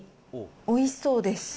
おいしそうです。